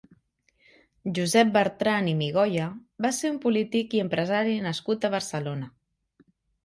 Josep Bertran i Migoia va ser un polític i empresari nascut a Barcelona.